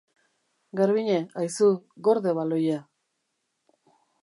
Garbiñe, aizu, gorde baloia.